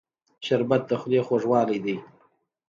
شربت د خولې خوږوالی دی